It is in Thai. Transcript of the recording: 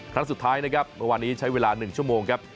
ครั้งสุดท้ายนะครับเมื่อวานนี้ใช้เวลา๑ชั่วโมงครับ